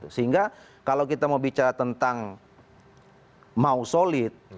sehingga kalau kita mau bicara tentang mau solid